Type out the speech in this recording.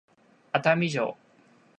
熱海城